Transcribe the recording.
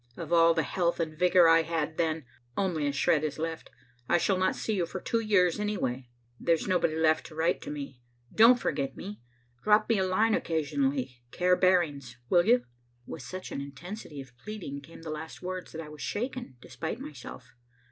Of all the health and vigor I had then, only a shred is left. I shall not see you for two years anyway. There's nobody left to write to me. Don't forget me. Drop me a line occasionally, care Barings, will you?" With such an intensity of pleading came the last words that I was shaken despite myself.